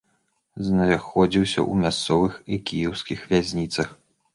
Знаходзіўся ў мясцовых і кіеўскіх вязніцах.